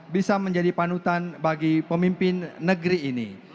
bisa menjadi panutan bagi pemimpin negeri ini